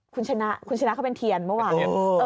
คุณชนะเขาเป็นเทียนเมื่อวาน